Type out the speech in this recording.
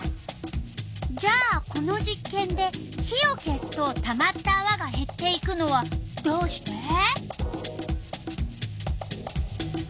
じゃあこの実験で火を消すとたまったあわがへっていくのはどうして？